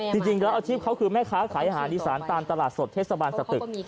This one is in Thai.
จริงแล้วอาชีพเขาคือแม่ค้าขายอาหารอีสานตามตลาดสดเทศบาลสตึก